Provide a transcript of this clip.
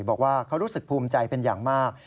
บอกว่าเขารู้สึกภูมิใจเป็นอย่างมาก